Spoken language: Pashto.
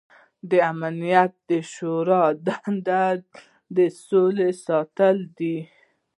د امنیت د شورا دنده د سولې ساتل دي.